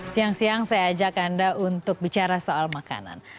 siang siang saya ajak anda untuk bicara soal makanan